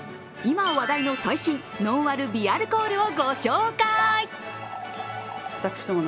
今、話題の最新、ノンアル・微アルコールをご紹介！